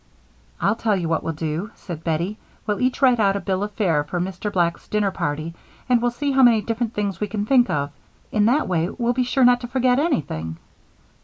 "I'll tell you what we'll do," said Bettie. "We'll each write out a bill of fare for Mr. Black's dinner party, and we'll see how many different things we can think of. In that way, we'll be sure not to forget anything."